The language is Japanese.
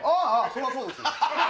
そりゃそうですよ。